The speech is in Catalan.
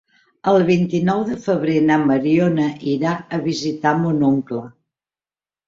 El vint-i-nou de febrer na Mariona irà a visitar mon oncle.